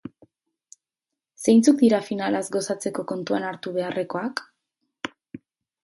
Zeintzuk dira finalaz gozatzeko kontuan hartu beharrekoak?